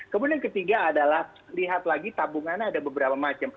kemudian ketiga adalah lihat lagi tabungannya ada beberapa macam